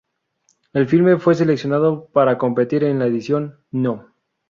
El filme fue seleccionado para competir en la edición No.